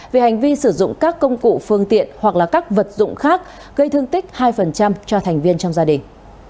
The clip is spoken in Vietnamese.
về hành vi sử dụng các công cụ phương tiện hoặc các vật dụng khác gây thương tích hai cho thành viên trong gia đình